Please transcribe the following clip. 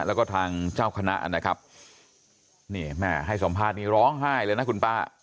แล้วก็ทางเจ้าคณะนะครับนี่แม่ให้สัมภาษณ์นี้ร้องไห้เลยนะคุณป้า